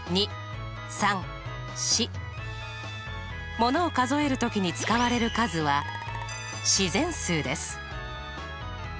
ものを数える時に使われる数は自然数です。